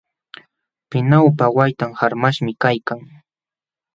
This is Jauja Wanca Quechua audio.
Pinawpa waytan qarmaśhmi kaykan.